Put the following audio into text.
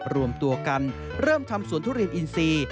รวมตัวกันเริ่มทำสวนทุเรียนอินซี